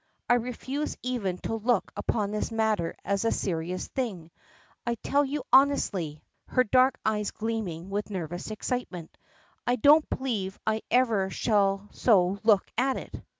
I refuse even to look upon this matter as a serious thing. I tell you honestly," her dark eyes gleaming with nervous excitement, "I don't believe I ever shall so look at it.